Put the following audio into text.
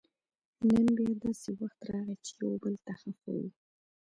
نن بیا داسې وخت راغی چې یو بل ته خپه وو